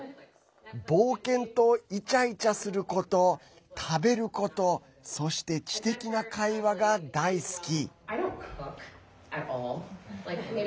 冒険と、いちゃいちゃすること食べることそして知的な会話が大好き。